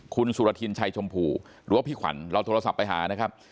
คุณสุรทินชัยชมพูหรือว่าพี่ขวัญเราโทรศัพท์ไปหานะครับ